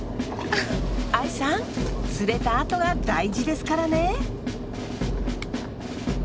愛さん釣れたあとが大事ですからね！